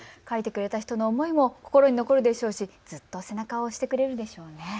描いてくれた人の思いも心に残るでしょうし、ずっと背中を押してくれるでしょうね。